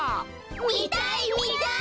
みたいみたい！